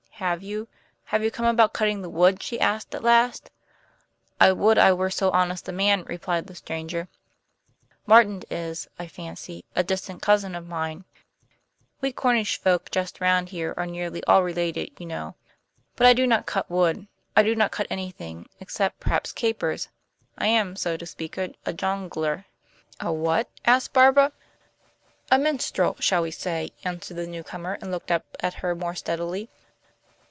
"Have you have you come about cutting the wood?" she asked at last. "I would I were so honest a man," replied the stranger. "Martin is, I fancy, a distant cousin of mine; we Cornish folk just round here are nearly all related, you know; but I do not cut wood. I do not cut anything, except, perhaps, capers. I am, so to speak, a jongleur." "A what?" asked Barbara. "A minstrel, shall we say?" answered the newcomer, and looked up at her more steadily.